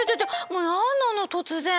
もう何なの突然！